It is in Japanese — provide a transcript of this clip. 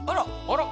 あら！